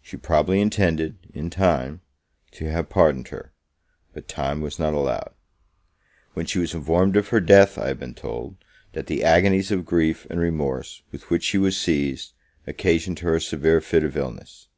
She probably intended, in time, to have pardoned her; but time was not allowed. When she was informed of her death, I have been told, that the agonies of grief and remorse, with which she was seized, occasioned her a severe fit of illness.